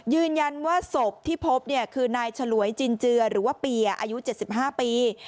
ยืนยันว่าศพที่พบคือนายฉลวยจินเจือหรือว่าเปียอายุ๗๕ปี